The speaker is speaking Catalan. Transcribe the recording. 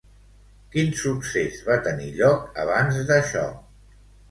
Quin succés va tenir lloc abans d'això?